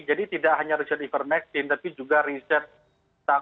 jadi tidak hanya riset ivermectin tapi juga riset